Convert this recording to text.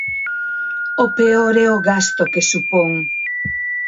_O peor é o gasto que supón.